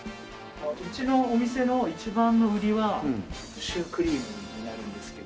うちのお店の一番の売りはシュークリームになるんですけど。